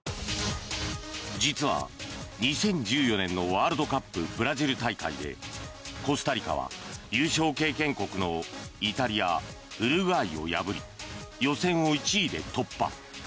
実は２０１４年のワールドカップブラジル大会でコスタリカは、優勝経験国のイタリア、ウルグアイを破り予選を１位で突破。